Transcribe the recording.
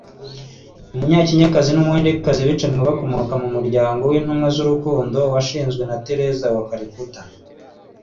Umunyakenyakazi n’Umuhindekazi bicanywe bakomoka mu muryango w’Intumwa z’Urukundo washinzwe na Tereza w’i Calcutta